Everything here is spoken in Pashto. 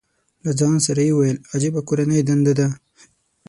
له ځان سره یې وویل، عجیبه کورنۍ دنده ده.